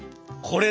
これ？